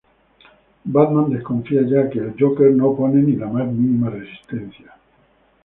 Batman desconfía, ya que el Joker no opone ni la más mínima resistencia.